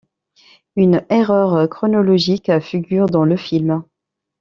Une erreur chronologique figure dans le film.